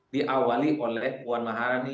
diawali oleh puan maharani